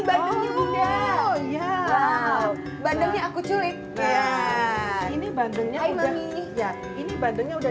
badunya udah ya wow badangnya aku cuy ini bandenya udah ini badannya udah